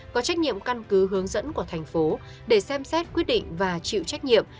có trách nhiệm căn cứ hướng dẫn của thành phố để xem xét quyết định và chịu trách nhiệm